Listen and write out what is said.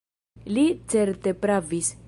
Li certe pravis.